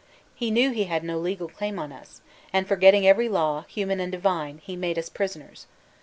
He knew he had no legal claim on us; and forgetting every law, human and divine, he made us prisoners.